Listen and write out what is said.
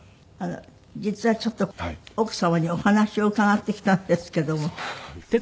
実はちょっと奥様にお話を伺ってきたんですけども。